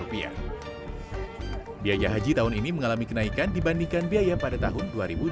biaya haji tahun ini mengalami kenaikan dibandingkan biaya pada tahun dua ribu dua puluh